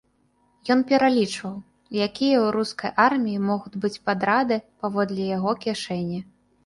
Ён пералічваў, якія ў рускай арміі могуць быць падрады паводле яго кішэні.